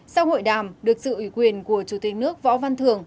sau hội đàm được sự ủy quyền của chủ tịch nước võ văn thường